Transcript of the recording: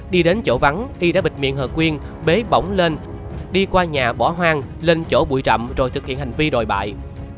đi đến chỗ vắng y đã bịt miệng hờ quyên bế bỏng lên đi qua nhà bỏ hoang lên chỗ bụi rậm rồi thực hiện hành vi đồi bại